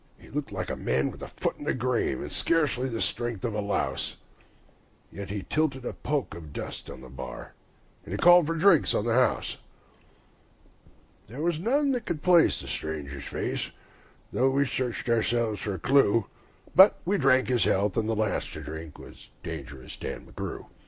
He looked like a man with a foot in the grave and scarcely the strength of a louse, Yet he tilted a poke of dust on the bar, and he called for drinks for the house. There was none could place the stranger's face, though we searched ourselves for a clue; But we drank his health, and the last to drink was Dangerous Dan McGrew.